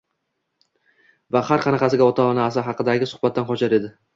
va har qanaqasiga ota-onasi haqidagi suhbatdan qochar edi.